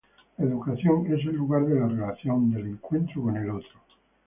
La educación es el lugar de la relación, del encuentro con el otro.